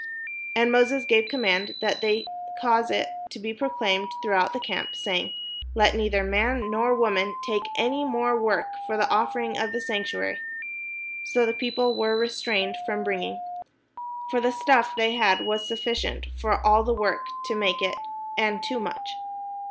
And Moses gave commandment, and they caused it to be proclaimed throughout the camp, saying: "Let neither man nor woman make any more work for the offering of the sanctuary." So the people were restrained from bringing. For the stuff they had was sufficient for all the work to make it, and too much.